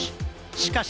しかし。